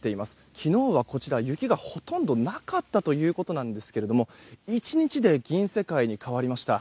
昨日はこちら、雪がほとんどなかったということなんですが１日で銀世界に変わりました。